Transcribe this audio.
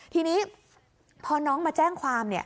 ทีนี้พอน้องมาแจ้งความ